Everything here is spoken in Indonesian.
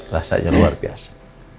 rasanya luar biasa